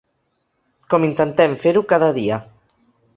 Com intentem fer-ho cada dia.